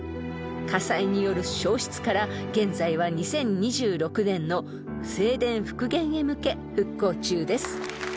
［火災による焼失から現在は２０２６年の正殿復元へ向け復興中です］